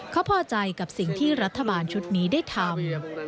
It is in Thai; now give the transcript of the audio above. เขาพอใจกับสิ่งที่รัฐบาลชุดนี้ได้ทำ